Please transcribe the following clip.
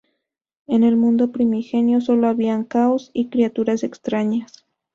En el mundo primigenio, solo había caos y criaturas extrañas.